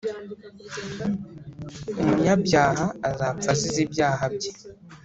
umunyabyaha azapfa azize ibyaha bye